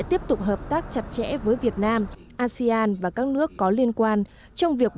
trên căn gác xếp chỉ vẹn vẹn hơn